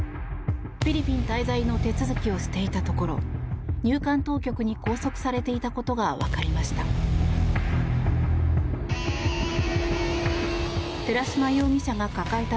フィリピン滞在の手続きをしていたところ入管当局に拘束されていたことがわかりました。